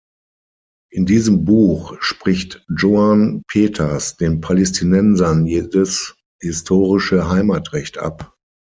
In diesem Buch spricht Joan Peters den Palästinensern jedes historische Heimatrecht ab.